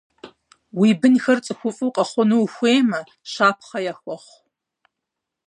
Уи бынхэр цӀыхуфӀу къэхъуну ухуеймэ, щапхъэ яхуэхъу.